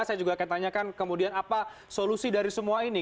saya juga akan tanyakan kemudian apa solusi dari semua ini